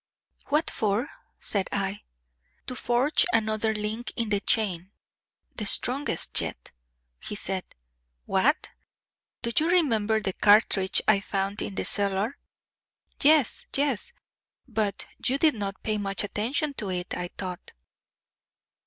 "What for?" said I. "To forge another link in the chain the strongest yet," he said. "What?" "Do you remember the cartridge I found in the cellar?" "Yes, yes; but you did not pay much attention to it, I thought."